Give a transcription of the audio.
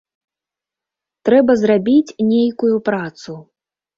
Трэба зрабіць нейкую працу.